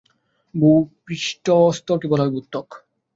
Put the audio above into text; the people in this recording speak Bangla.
ভূপৃষ্ঠ স্তরকে বলা হয় ভূত্বক।